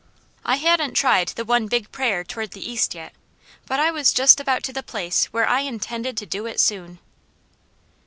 I hadn't tried the one big prayer toward the east yet; but I was just about to the place where I intended to do it soon.